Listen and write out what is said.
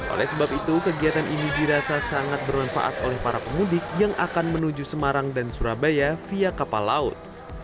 oleh sebab itu kegiatan ini dirasa sangat bermanfaat oleh para pemudik yang akan menuju semarang dan surabaya via kapal laut